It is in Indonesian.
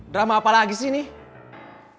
drama apa lagi sih nih